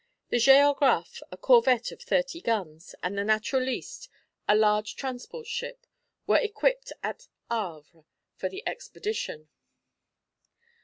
The Géographe, a corvette of thirty guns, and the Naturaliste, a large transport ship, were equipped at Havre for the expedition.